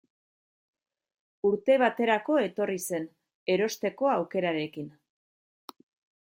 Urte baterako etorri zen, erosteko aukerarekin.